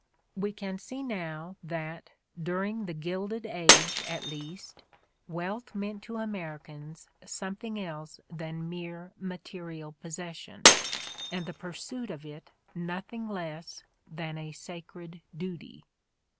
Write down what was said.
"We can see now that, during the Gilded Age at least, wealth meant to Americans something else than mere material possession, and the pursuit of it nothing less than a sacred duty.